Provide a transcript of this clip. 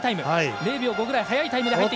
０秒５ぐらい速いタイム。